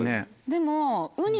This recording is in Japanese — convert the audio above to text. でも。